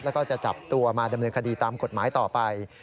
แล้วก็จะจับตัวมาดำเนินคดีตามกฎหมายต่อไป